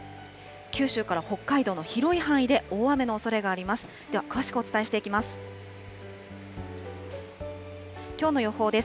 九州から北海道の広い範囲で大雨のおそれがあります。